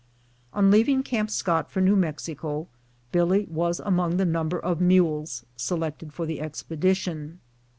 ^ On leaving Camp Scott for New Mexico Billy was among the number of mules selected for the expedition.